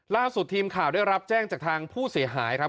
ล่าสุดทีมข่าวได้รับแจ้งจากทางผู้เสียหายครับ